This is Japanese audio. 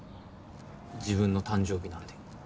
自分の誕生日なんで。